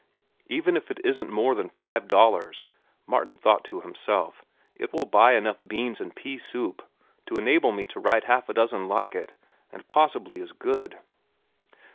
Even if it isn't more than five dollars, Martin thought to himself, it will buy enough beans and pea soup to enable me to write half a dozen like it, and possibly as good.